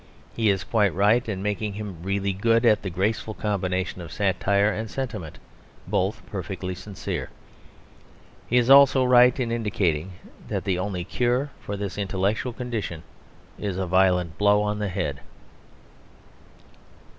He is quite right in making him really good at the graceful combination of satire and sentiment, both perfectly sincere. He is also right in indicating that the only cure for this intellectual condition is a violent blow on the head.